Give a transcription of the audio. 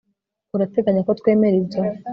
urateganya ko twemera ibyo